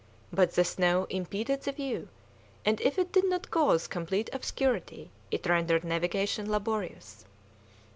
But the snow impeded the view, and if it did not cause complete obscurity it rendered navigation laborious.